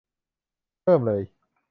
เริ่มเลย !